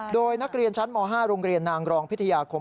โดยนักเรียนชั้นม๕โรงเรียนนางรองพิทยาคม